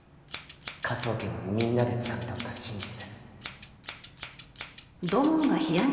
科捜研のみんなでつかみ取った真実です。